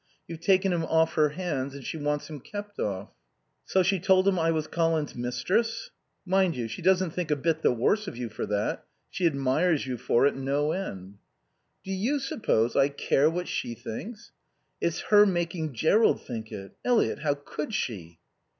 You've taken him off her hands and she wants him kept off." "So she told him I was Colin's mistress." "Mind you, she doesn't think a bit the worse of you for that. She admires you for it no end." "Do you suppose I care what she thinks? It's her making Jerrold think it...Eliot, how could she?"